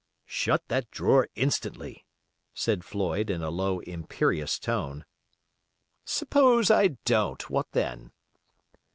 "Shut that drawer instantly," said Floyd, in a low, imperious tone. "Suppose I don't, what then?"